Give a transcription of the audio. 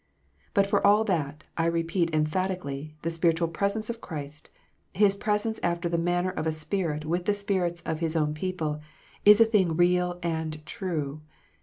But for all that, I repeat emphatically, the spiritual presence of Christ, His presence after the manner of a Spirit with the spirits of His own people, is a thing real and true.